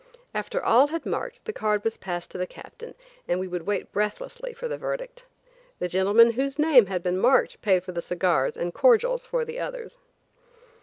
After all had marked, the card was passed to the Captain, and we would wait breathlessly for the verdict. The gentleman whose name had been marked paid for the cigars or cordials for the others.